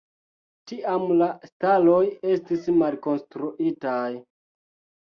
Tiam la staloj estis malkonstruitaj.